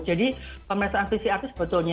jadi pemirsaan pcr itu sebetulnya